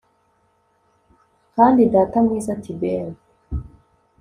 Kandi data mwiza Tiber